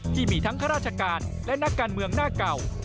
ที่มีทั้งข้าราชการและนักการเมืองหน้าเก่า